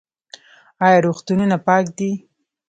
آیا روغتونونه پاک دي؟